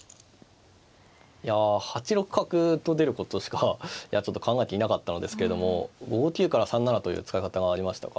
いや８六角と出ることしかちょっと考えていなかったのですけれども５九から３七という使い方がありましたか。